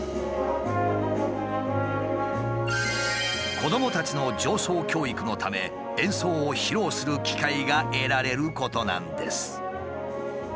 子どもたちの情操教育のため演奏を披露する機会が得られることなんです。